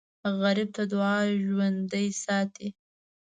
غریب ته دعا ژوندي ساتي